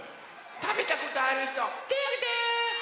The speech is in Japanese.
たべたことあるひとてあげて！